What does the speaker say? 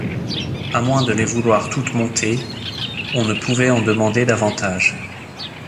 À moins de les vouloir toutes montées, on ne pouvait en demander davantage.